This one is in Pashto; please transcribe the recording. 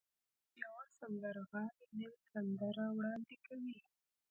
يوه سندرغاړې نوې سندرې وړاندې کوي.